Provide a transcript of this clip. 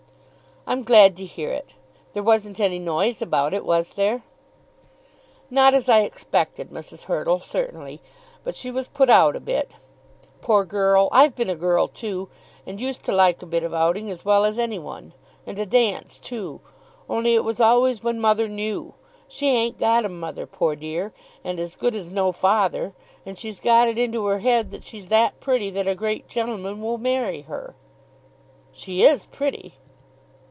"I'm glad to hear it. There wasn't any noise about it; was there?" "Not as I expected, Mrs. Hurtle, certainly. But she was put out a bit. Poor girl! I've been a girl too, and used to like a bit of outing as well as any one, and a dance too; only it was always when mother knew. She ain't got a mother, poor dear! and as good as no father. And she's got it into her head that she's that pretty that a great gentleman will marry her." "She is pretty!"